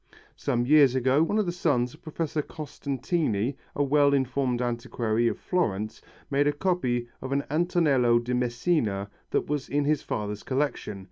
Some years ago one of the sons of Professor Costantini, a well informed antiquary of Florence, made a copy of an Antonello de Messina that was in his father's collection.